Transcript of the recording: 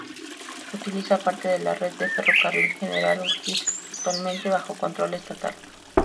Utiliza parte de la red del Ferrocarril General Urquiza, actualmente bajo control Estatal.